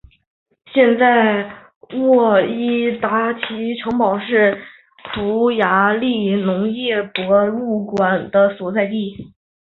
现在沃伊达奇城堡是匈牙利农业博物馆的所在地。